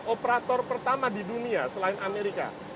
operator pertama di dunia selain amerika